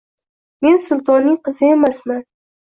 Men sultonning kizi emasman